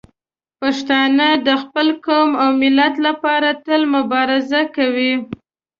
پښتانه د خپل قوم او ملت لپاره تل مبارزه کوي.